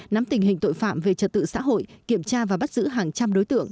nắm tình hình tội phạm về trật tự xã hội kiểm tra và bắt giữ hàng trăm đối tượng